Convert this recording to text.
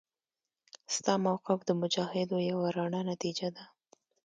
ستا موقف د مجاهدو یوه رڼه نتیجه ده.